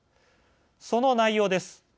その内容です。